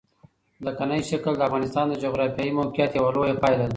ځمکنی شکل د افغانستان د جغرافیایي موقیعت یوه لویه پایله ده.